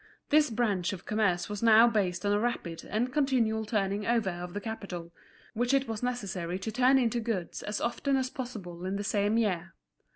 This branch of commerce was now based on a rapid and continual turning over of the capital, which it was necessary to turn into goods as often as possible in the same year.